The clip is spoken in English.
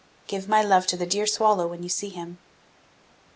'Give my love to the dear swallow when you see him!